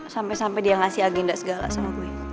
sampai sampai dia ngasih agenda segala sama gue